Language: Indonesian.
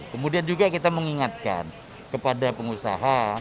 kemudian juga kita mengingatkan kepada pengusaha